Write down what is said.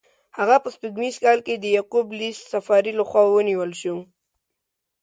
هغه په سپوږمیز کال کې د یعقوب لیث صفاري له خوا ونیول شو.